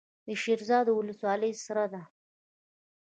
د شیرزاد ولسوالۍ سړه ده